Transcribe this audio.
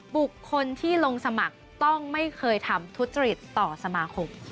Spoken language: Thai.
บุคคลที่ลงสมัครต้องไม่เคยทำทุจริตต่อสมาคม